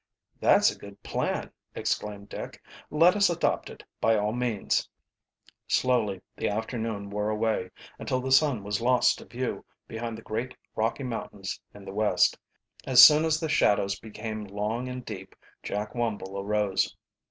"That's a good plan," exclaimed Dick. "Let us adopt it, by all means." Slowly the afternoon wore away, until the sun was lost to view behind the great Rocky Mountains in the west. As soon as the shadows became long and deep Jack Wumble arose.